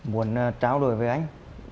muốn trao đổi với anh